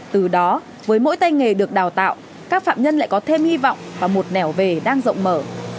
từ đó với mỗi tay nghề được đào tạo các phạm nhân lại có thêm hy vọng và một nẻo về đang rộng mở